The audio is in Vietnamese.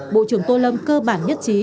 bộ trưởng tô lâm cơ bản nhất trí